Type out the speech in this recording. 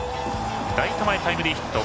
ライト前タイムリーヒット。